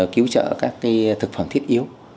cứu trợ các thực phẩm thiết yếu